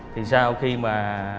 thì sau khi mà